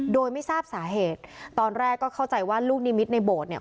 โดยไม่ทราบสาเหตุตอนแรกก็เข้าใจว่าลูกนิมิตในโบสถ์เนี่ย